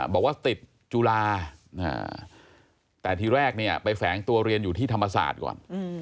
บอกว่าติดจุฬาแต่ทีแรกเนี่ยไปแฝงตัวเรียนอยู่ที่ธรรมศาสตร์ก่อน